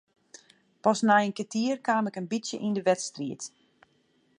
Pas nei in kertier kaam ik in bytsje yn de wedstriid.